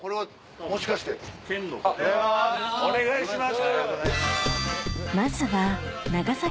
お願いします。